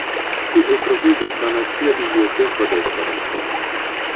Tie troviĝas la Nacia Biblioteko de Esperanto.